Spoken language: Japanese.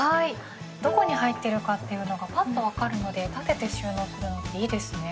どこに入っているかっていうのがぱっと分かるので立てて収納するのっていいですね。